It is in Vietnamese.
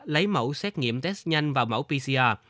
lấy mẫu xét nghiệm test nhanh vào mẫu pcr